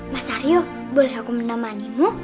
mas aryo boleh aku menemanimu